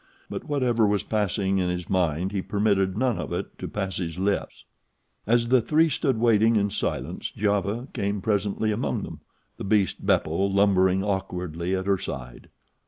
But whatever was passing in his mind he permitted none of it to pass his lips. As the three stood waiting in silence Giova came presently among them, the beast Beppo lumbering awkwardly at her side.